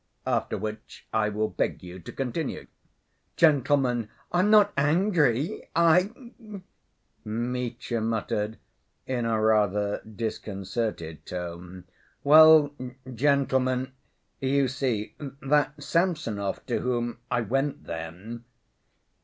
After which I will beg you to continue." "Gentlemen, I'm not angry ... I ..." Mitya muttered in a rather disconcerted tone. "Well, gentlemen, you see, that Samsonov to whom I went then